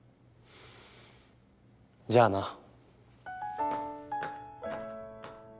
じゃあな。